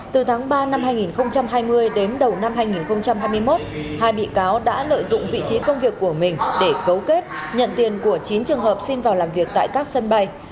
từ tháng ba năm hai nghìn hai mươi đến đầu năm hai nghìn hai mươi một hai bị cáo đã lợi dụng vị trí công việc của mình để cấu kết nhận tiền của chín trường hợp xin vào làm việc tại các sân bay